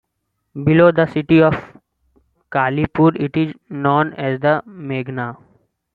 Below the city of Kalipur it is known as the Meghna.